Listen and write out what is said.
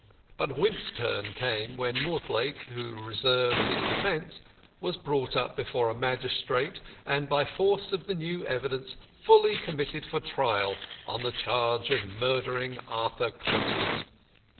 But Wimp's turn came when Mortlake, who reserved his defence, was brought up before a magistrate, and by force of the new evidence, fully committed for trial on the charge of murdering Arthur Constant.